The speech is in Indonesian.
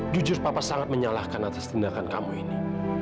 jujur papa sangat menyalahkan atas tindakan kamu ini